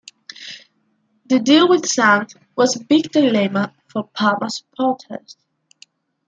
The deal with Sanz was a big dilemma for Parma supporters.